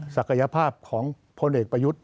ศักยภาพของพลเอกประยุทธ์